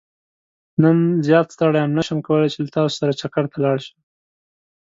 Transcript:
نن زيات ستړى يم نه شم کولاي چې له تاسو سره چکرته لاړ شم.